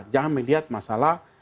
jangan melihat masalah